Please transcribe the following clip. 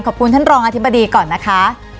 ขอบคุณท่านรองอธิบดีก่อนนะคะ